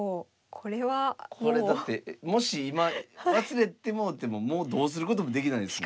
これだってもし今忘れてもうてももうどうすることもできないですもんね。